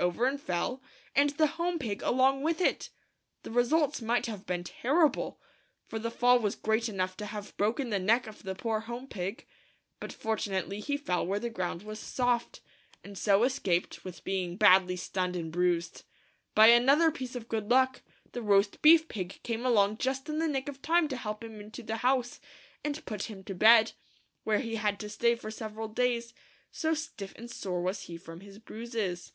over and fell, and the Homef^ ye" Pig along with it. The re ^ suits might have been ter rible, for the fall was great enough to nave broken the neck of the poor Home Pig, but fortunately he fell where the ground was soft, and so 161 the five little pigs. IN THE WOODSHED. 162 THh FIVE LITTLE PIGS. escaped with being badly stunned and bruised. By another piece of good luck, the Roast Beef Pig came along just in the nick of time to help him into the house, and put him to bed, where he had to stay for several days, so stiff and sore was he from his bruises.